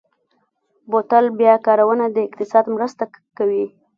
بوتل بیا کارونه د اقتصاد مرسته کوي.